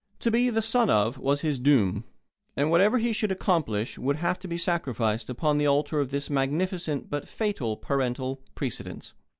To be "the son of" was his doom. What ever he should accomplish would have to be sacrificed upon the altar of this magnificent but fatal parental precedence.